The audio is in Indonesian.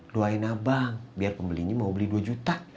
doain abang biar pembelinya mau beli dua juta